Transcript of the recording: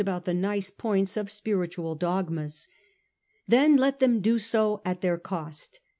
about the nice points of spiritual dogmas. Then let them do so at their cost.